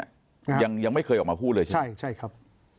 ยังยังไม่เคยออกมาพูดเลยใช่ไหมใช่ใช่ครับ